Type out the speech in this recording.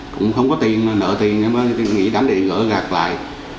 cũng không có tiền nợ tiền nghĩ đánh để gỡ gạt lại